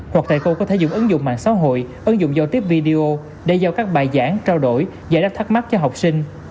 hoặc thầy cô có thể dùng ứng dụng mạng xã hội ứng dụng giao tiếp video để giao các bài giảng trao đổi giải đáp thắc mắc cho học sinh